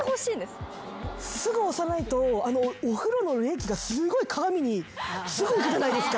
すぐ押さないとお風呂の冷気がすごい鏡にすぐいくじゃないですか。